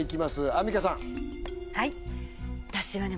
アンミカさんはい私はね